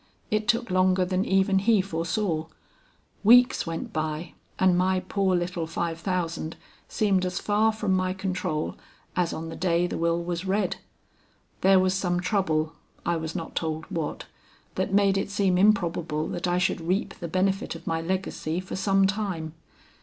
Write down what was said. It took longer than even he foresaw. Weeks went by and my poor little five thousand seemed as far from my control as on the day the will was read. There was some trouble, I was not told what, that made it seem improbable that I should reap the benefit of my legacy for some time.